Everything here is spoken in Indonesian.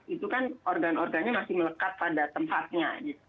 itu kan organ organnya masih melekat pada tempatnya